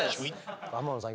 天野さん